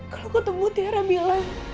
kalo ketemu tiara bilang